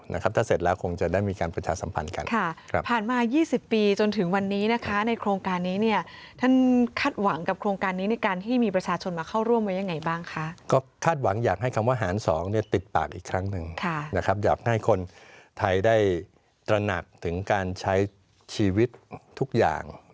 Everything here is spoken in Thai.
หารสองติดปากอีกครั้งหนึ่งอยากให้คนไทยได้ตระหนักถึงการใช้ชีวิตทุกอย่าง